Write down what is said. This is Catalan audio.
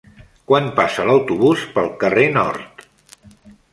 Quan passa l'autobús pel carrer Nord?